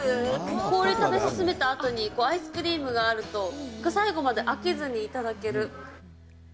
氷食べ進めたあとにアイスクリームがあると、最後まで飽きずに頂ける。